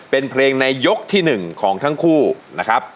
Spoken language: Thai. เป็นเพลงในยกที่๑ของทั้งคู่นะครับ